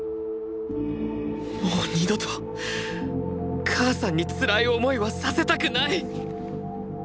もう二度と母さんにつらい思いはさせたくない！